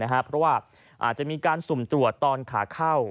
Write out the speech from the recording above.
เพราะว่าอาจจะมีการสุ่มตรวจตอนขาเข้า